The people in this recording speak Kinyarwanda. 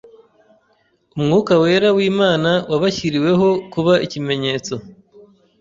Umwuka Wera w'Imana wabashyiriweho kuba ikimenyetso